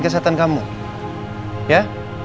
kesehatan kamu ya